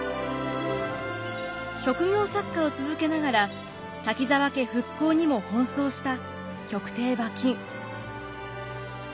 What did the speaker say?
職業作家を続けながら滝沢家復興にも奔走した曲亭馬琴。